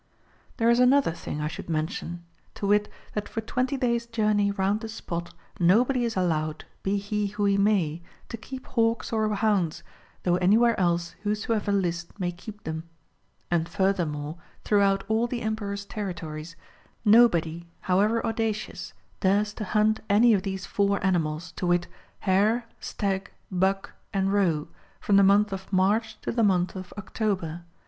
There is another thing I should mention ; to wit, that for 20 days' journey round the spot nobody is allowed, be he who he may, to keep hawks or hounds, though anywhere else whosoever list may keep them. And furthermore throughout all the Emperor's territories, nobody however audacious dares to hunt any of these four animals, to wit, hare, stag, buck, and roe, from the month of March to the month of October.